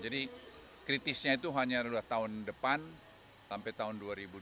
jadi kritisnya itu hanya dua tahun depan sampai tahun dua ribu dua puluh lima